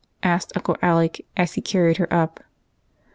" asked Uncle Alec, as he carried her up.